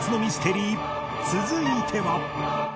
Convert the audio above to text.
続いては